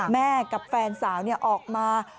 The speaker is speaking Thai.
แม่กับแฟนสาวออกมา